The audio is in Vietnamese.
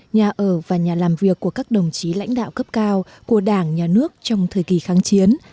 nhà ở và nhà làm việc của các đồng chí lãnh đạo cấp cao của đảng nhà nước trong thời kỳ kháng chiến